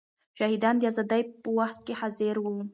شاهدان د ازادۍ په وخت کې حاضر وو.